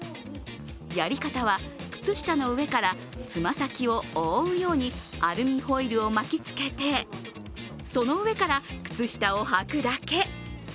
やり方は、靴下の上から爪先を覆うようにアルミホイルを巻きつけて、その上から靴下を履くだけ。